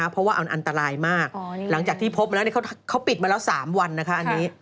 เพราะว่าอันตรายมากหลังจากที่พบมันแล้วเขาปิดมาแล้ว๓วัน